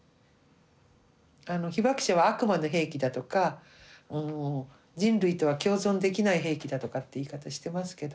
被爆者は悪魔の兵器だとか人類とは共存できない兵器だとかって言い方してますけど。